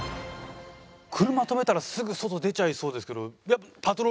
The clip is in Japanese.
車止めたらすぐ外出ちゃいそうですけど。